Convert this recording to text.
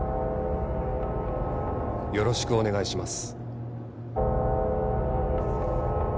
よろしくお願いします。